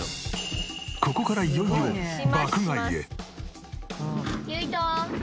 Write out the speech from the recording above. ここからいよいよ爆買いへ。